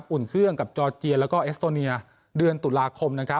อุ่นเครื่องกับจอร์เจียแล้วก็เอสโตเนียเดือนตุลาคม